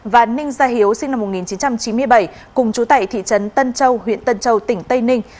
và ninh gia hiếu sinh năm một nghìn chín trăm chín mươi bảy cùng chú tại thị trấn tân châu huyện tân châu tỉnh tây ninh